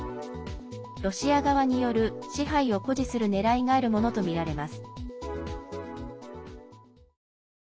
ロシア側による、支配を誇示するねらいがあるものとみられます。